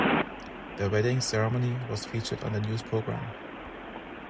Their wedding ceremony was featured on the news programme.